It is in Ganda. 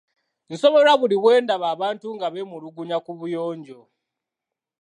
Nsoberwa buli lwe ndaba abantu nga beemulugunya ku buyonjo.